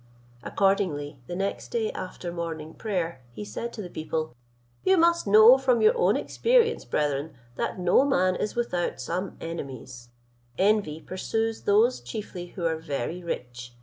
Accordingly the next day after morning prayer he said to the people, "You must know from your own experience, brethren, that no man is without some enemies: envy pursues those chiefly who are very rich.